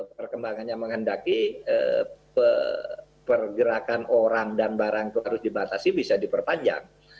perkembangannya menghendaki pergerakan orang dan barang itu harus dibatasi bisa diperpanjang